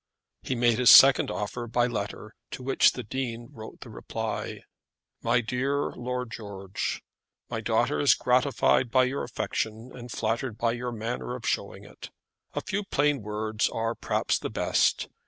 He made his second offer by letter, to which the Dean wrote the reply: "My dear Lord George, "My daughter is gratified by your affection, and flattered by your manner of showing it. A few plain words are perhaps the best.